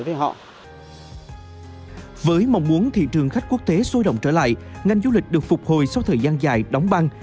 với mong muốn thị trường khách quốc tế sôi động trở lại ngành du lịch được phục hồi sau thời gian dài đóng băng